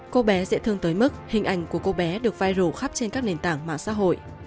cô bé dễ thương tới mức hình ảnh của cô bé được viral khắp trên các nền tảng mạng xã hội